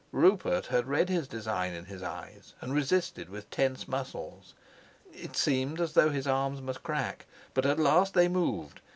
Rupert had read his design in his eyes and resisted with tense muscles. It seemed as though his arms must crack; but at last they moved.